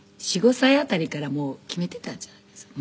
４５歳あたりから決めていたんじゃないですかね